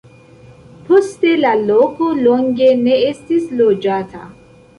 Poste la loko longe ne estis loĝata.